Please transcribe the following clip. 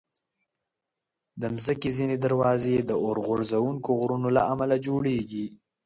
د مځکې ځینې دروازې د اورغورځونکو غرونو له امله جوړېږي.